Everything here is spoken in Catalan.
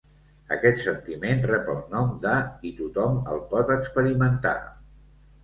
Aquest sentiment rep el nom de i tothom el pot experimentar.